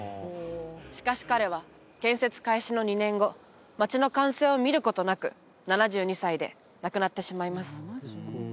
しかし彼は建設開始の２年後街の完成を見ることなく７２歳で亡くなってしまいます